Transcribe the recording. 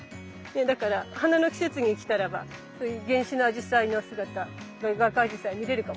だから花の季節に来たらばそういう原種のアジサイの姿がガクアジサイ見れるかもしれないですね